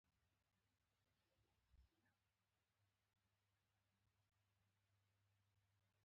دلته اساسات تر پوښتنې لاندې راځي.